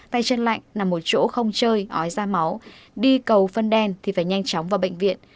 tay chân lạnh nằm ở chỗ không chơi ói ra máu đi cầu phân đen thì phải nhanh chóng vào bệnh viện